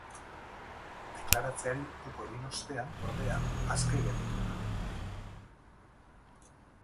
Deklaratzeari uko egin ostean, ordea, aske gelditu da.